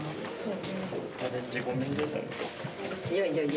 ・いやいやいや。